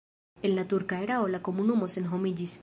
En la turka erao la komunumo senhomiĝis.